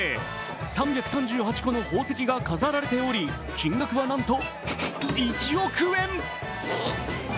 ３３８個の宝石が飾られており金額はなんと１億円。